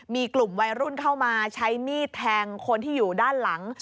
มีกลุ่มวัยรุ่นเข้ามาใช้มีดแทงคนที่อยู่ด้านหลัง